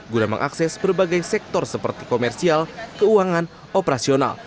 guna mengakses berbagai sektor seperti komersial keuangan operasional